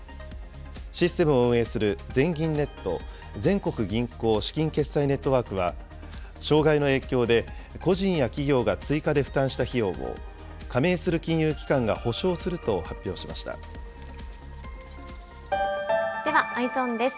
システムを運営する全銀ネット・全国銀行資金決済ネットワークは、障害の影響で個人や企業が追加で負担した費用を加盟する金融機関ではＥｙｅｓｏｎです。